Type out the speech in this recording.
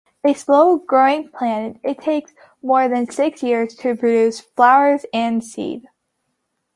A slow-growing plant, it takes more than six years to produce flowers and seed.